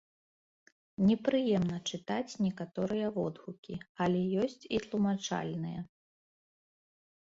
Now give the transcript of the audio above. Непрыемна чытаць некаторыя водгукі, але ёсць і тлумачальныя.